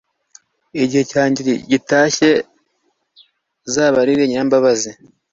Igihe cyanjye gitashye zabarire Nyirambabazi,